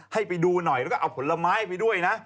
ให้ไปดูหน่อยแล้วก็เอาผลไม้ไปด้วยนะ